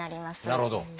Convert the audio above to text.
なるほど。